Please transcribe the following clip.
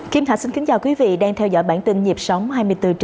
kim thạch xin kính chào quý vị đang theo dõi bản tin nhịp sóng hai mươi bốn h bảy